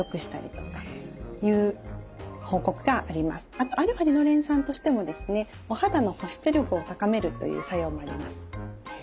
あとα−リノレン酸としてもですねお肌の保湿力を高めるという作用もあります。